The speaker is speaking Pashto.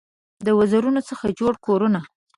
د وزرونو څخه جوړ کورونه